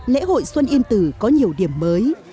lễ hội xuân yên tử có nhiều điểm mới